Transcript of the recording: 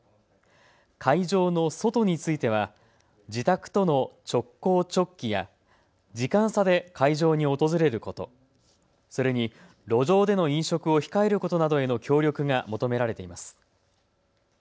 会場の外については自宅との直行直帰や時間差で会場に訪れること、それに路上での飲食を控えることなどへの協力が求められています。